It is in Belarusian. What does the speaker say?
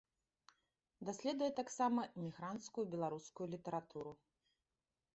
Даследуе таксама эмігранцкую беларускую літаратуру.